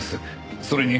それに。